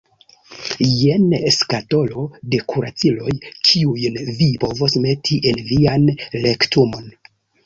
Jen skatolo de kuraciloj kiujn vi povos meti en vian rektumon.